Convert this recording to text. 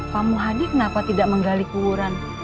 pak muhadi kenapa tidak menggali kuburan